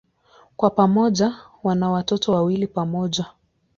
Kwa pamoja wana watoto wawili pamoja.